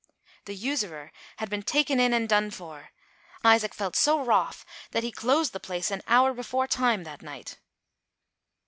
The usurer had been " taken in and done for." Isaac felt so wroth that he closed the place, an hour before time, that night.